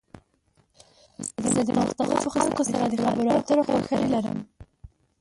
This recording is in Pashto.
زه د مختلفو خلکو سره د خبرو اترو خوښی لرم.